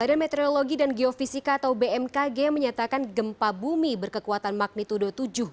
badan meteorologi dan geofisika atau bmkg menyatakan gempa bumi berkekuatan magnitudo tujuh empat